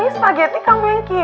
spagetti kamu yang kiat